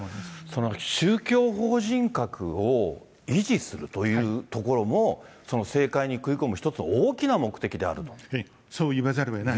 その宗教法人格を維持するというところも、政界に食い込む１つの大きな目的であると。